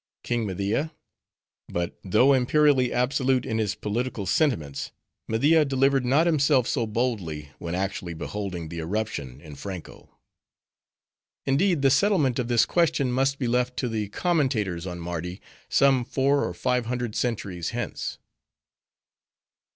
King Media? But though imperially absolute in his political sentiments, Media delivered not himself so boldly, when actually beholding the eruption in Franko. Indeed, the settlement of this question must be left to the commentators on Mardi, some four or five hundred centuries hence.